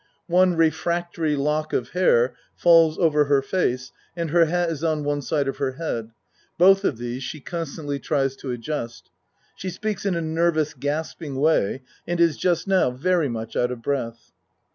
One refractory lock of hair falls over her face and her hat is on one side of her head both of these she con stantly tries to adjust. She speaks in a nervous gasping way and is just now very much out of breath.)